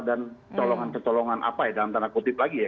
dan kecolongan apa ya dalam tanda kutip lagi ya